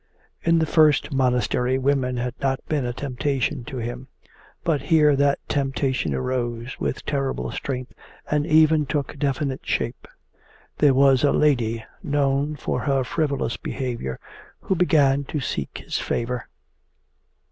In the first monastery, women had not been a temptation to him, but here that temptation arose with terrible strength and even took definite shape. There was a lady known for her frivolous behaviour who began to seek his favour.